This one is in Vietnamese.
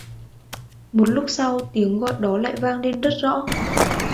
Một lúc sau tiếng gọi đó lại vang lên rất rõ